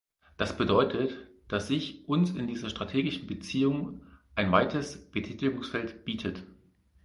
Das bedeutet, dass sich uns in dieser strategischen Beziehung ein weites Betätigungsfeld bietet.